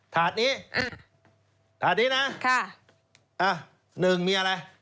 ถาดนี้ถาดนี้นะ๑มีอะไร